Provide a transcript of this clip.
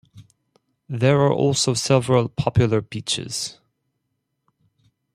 There are also several popular beaches.